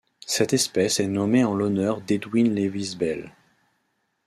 Cette espèce est nommée en l'honneur d'Edwin Lewis Bell.